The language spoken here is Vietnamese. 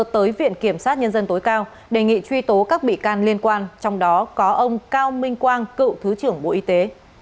tới viện kiểm sát nhân dân tối cao đề nghị truy tố các bị can liên quan trong đó có ông cao minh quang cựu thứ trưởng bộ y tế